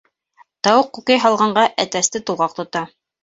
Тауыҡ күкәй һалғанға әтәсте тулғаҡ тота.